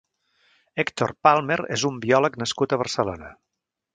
Héctor Palmer és un biòleg nascut a Barcelona.